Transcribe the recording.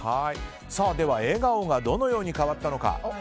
では笑顔がどのように変わったのか。